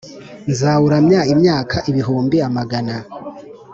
Nzawuramya imyaka ibihumbi amagana